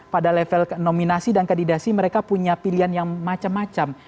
pada level nominasi dan kandidasi mereka punya pilihan yang macam macam